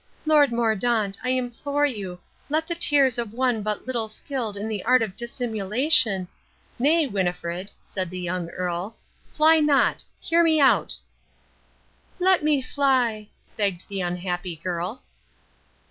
Lord Mordaunt, I implore you, let the tears of one but little skilled in the art of dissimulation " "Nay, Winnifred," said the Young Earl, "fly not. Hear me out!" "Let me fly," begged the unhappy girl.